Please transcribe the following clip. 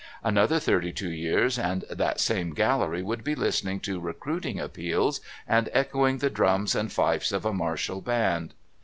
Another thirty two years and that same gallery would be listening to recruiting appeals and echoing the drums and fifes of a martial band.